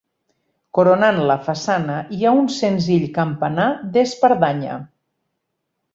Coronant la façana hi ha un senzill campanar d'espadanya.